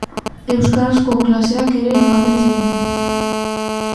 Euskarazko klaseak ere ematen ziren.